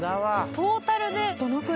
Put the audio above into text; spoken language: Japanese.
トータルで。